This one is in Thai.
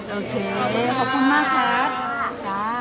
โอเคขอบคุณมากครับจ้า